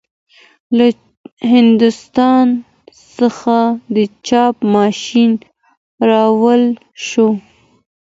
له هندوستان څخه د چاپ ماشین راوړل شو.